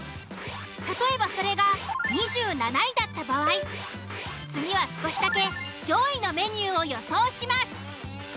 例えばそれが２７位だった場合次は少しだけ上位のメニューを予想します。